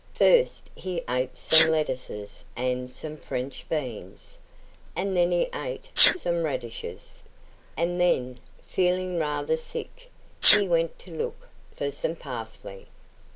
First he ate some lettuces and some French beans, and then he ate some radishes; and then, feeling rather sick, he went to look for some parsley.